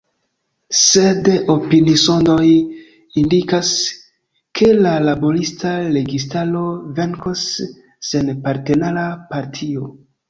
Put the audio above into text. Sed opinisondoj indikas, ke la Laborista Registaro venkos sen partnera partio.